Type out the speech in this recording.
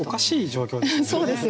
そうですよね。